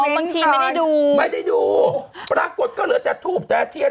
บางทีไม่ได้ดูไม่ได้ดูปรากฏก็เหลือแต่ทูบแต่เทียน